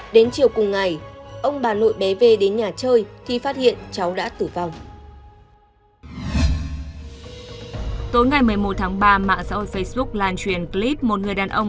đến chiều cùng ngày ông bà nội bé v đến nhà chơi khi phát hiện cháu đã tử vong